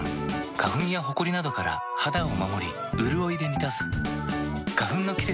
花粉やほこりなどから肌を守りうるおいで満たす。